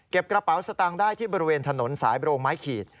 กระเป๋าสตางค์ได้ที่บริเวณถนนสายโรงไม้ขีด